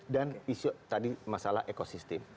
dan isu tadi masalah ekosistem